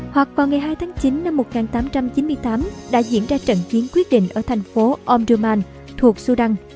hoặc vào ngày hai tháng chín năm một nghìn tám trăm chín mươi tám đã diễn ra trận chiến quyết định ở thành phố omduman thuộc sudan